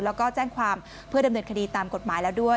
แล้วก็แจ้งความเพื่อดำเนินคดีตามกฎหมายแล้วด้วย